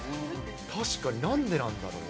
確かに、なんでなんだろう。